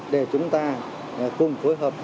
để chúng ta cùng phối hợp